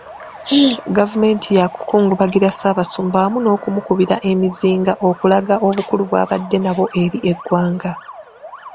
Gavumenti yakukungubagira Ssaabasumba wamu n’okumukubira emizinga okulaga obukulu bw’abadde nabwo eri eggwanga.